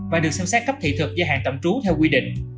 và được xem xét cấp thị thuật và hạn tạm trú theo quy định